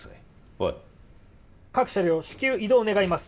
おい各車両至急移動願います